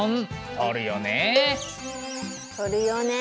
撮るよね。